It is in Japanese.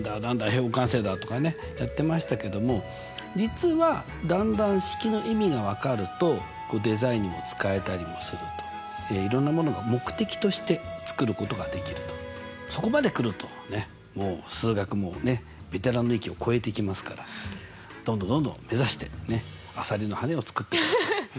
平方完成だとかねやってましたけども実はだんだん式の意味が分かるとデザインにも使えたりもするといろんなものが目的として作ることができるとそこまで来るともう数学もベテランの域を超えていきますからどんどんどんどん目指してあさりの羽を作ってください。